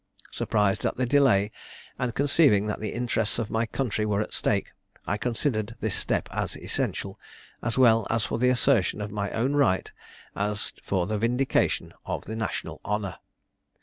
Surprised at the delay, and conceiving that the interests of my country were at stake, I considered this step as essential, as well for the assertion of my own right as for the vindication of the national honour.